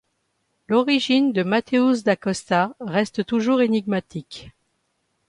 L’origine de Mateus da Costa reste toujours énigmatique.